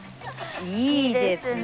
いいですね。